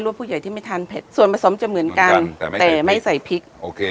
ผู้ใหญ่ที่ไม่ทานเผ็ดส่วนผสมจะเหมือนกันแต่ไม่ใส่พริกโอเค